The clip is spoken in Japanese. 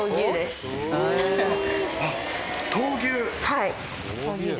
はい。